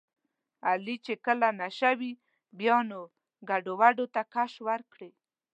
علي چې کله نشه وکړي بیا نو ګډوډو ته کش ورکړي.